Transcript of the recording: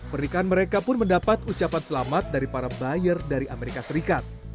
pernikahan mereka pun mendapat ucapan selamat dari para buyer dari amerika serikat